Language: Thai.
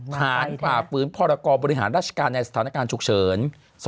ผ่านปรากฟื้นพรกอร์บริหารราชการในสถานการณ์ฉุกเฉิน๒๕๔๘